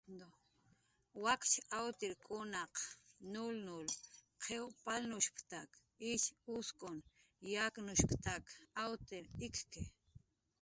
"Wakch awtirkunaq nullnull qiw palnushp""tak ish uskun yaknushp""tak awtir ik""ki. "